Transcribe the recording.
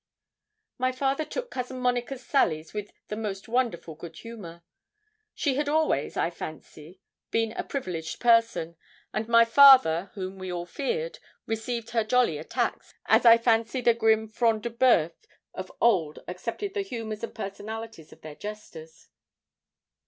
My father took Cousin Monica's sallies with the most wonderful good humour. She had always, I fancy, been a privileged person, and my father, whom we all feared, received her jolly attacks, as I fancy the grim Front de Boeufs of old accepted the humours and personalities of their jesters.